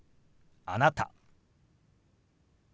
「あなた」。